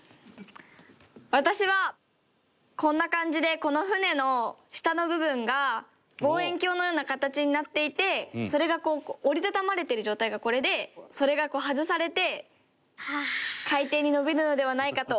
私はこんな感じでこの船の下の部分が望遠鏡のような形になっていてそれが折り畳まれてる状態がこれでそれが外されて。